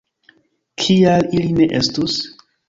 Kial ili ne estus?